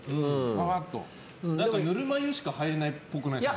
ぬるま湯しか入らないっぽくないっすか？